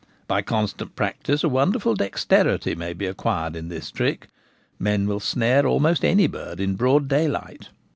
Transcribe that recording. By constant practice a wonderful dexterity may be acquired in this trick ; men will snare almost any bird in broad daylight.